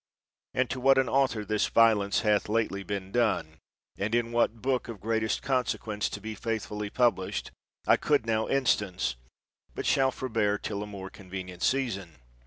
And to what an author this violence hath been lately done, and in what book of greatest consequence to be faithfully published, I could now instance, but shall forbear till a more convenient season.